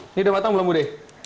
ini udah matang belum bu deh